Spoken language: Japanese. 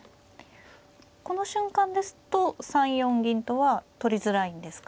この瞬間ですと３四銀とは取りづらいんですか。